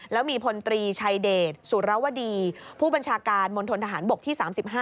แล้วมีพลตรีชัยเดชสุรวดีผู้บัญชาการมณฑนทหารบกที่๓๕